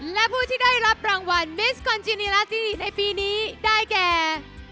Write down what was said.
และผู้ที่ได้รับรางวัลในปีนี้ได้แก่